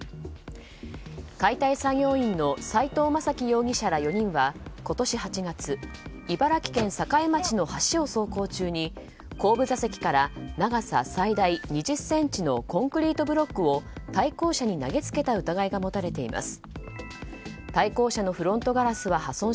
解体作業員の斉藤雅樹容疑者ら４人は今年８月茨城県境町の橋を走行中に後部座席から長さ最大２０ｃｍのコンクリートブロックを対向車に投げつけた疑いが持たれています。